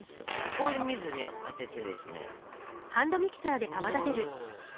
氷水にあててですね。